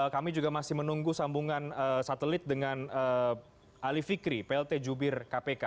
kami juga masih menunggu sambungan satelit dengan ali fikri plt jubir kpk